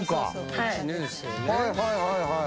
はいはいはいはい。